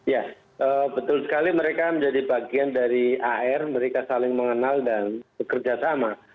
ya betul sekali mereka menjadi bagian dari ar mereka saling mengenal dan bekerja sama